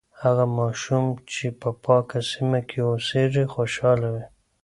هغه ماشوم چې په پاکه سیمه کې اوسیږي، خوشاله وي.